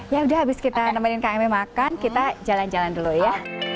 ya udah habis kita nemenin kang emil makan kita jalan jalan dulu ya